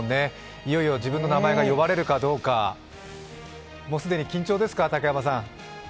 いよいよ自分の名前が呼ばれるかどうか既に緊張ですか？